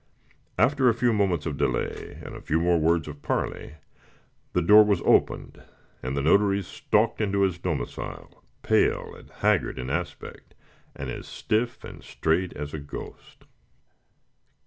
After a few moments of delay and a few more words of parley, the door was opened, and the notary stalked into his domicile, pale and haggard in aspect, and as stiff and straight as a ghost.